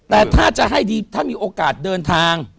แต่ถ้าจะให้ดีถ้ามีโอกาสเดินทาง